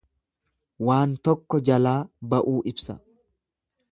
Waan tokko jalaa ba'uu ibsa.